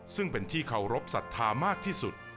ซึ่งเป็นที่เคารพสัทธามากที่สุด